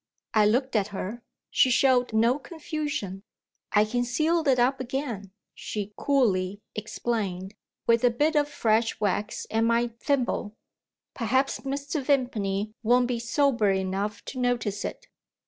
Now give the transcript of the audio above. I looked at her. She showed no confusion. "I can seal it up again," she coolly explained, "with a bit of fresh wax and my thimble. Perhaps Mr. Vimpany won't be sober enough to notice it."